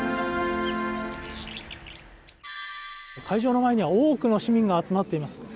会場の前には多くの市民が集まっています